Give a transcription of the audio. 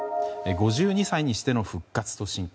５２歳にしての復活と進化